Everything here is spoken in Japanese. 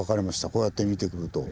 こうやって見てくると。